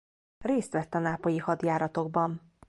Részt vett a nápolyi hadjáratokban.